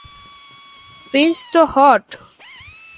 Finch তো hot.